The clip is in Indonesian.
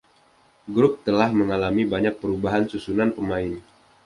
Grup telah mengalami banyak perubahan susunan pemain.